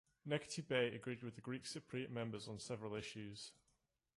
Necati Bey agreed with the Greek Cypriot members on several issues.